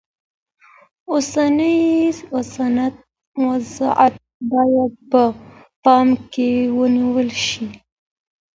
اوسنی وضعیت باید په پام کې ونیول شي.